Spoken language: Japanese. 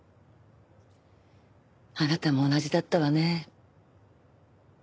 あなたも同じだったわね。